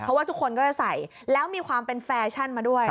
เพราะว่าทุกคนก็จะใส่แล้วมีความเป็นแฟชั่นมาด้วย